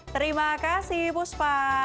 terima kasih buspa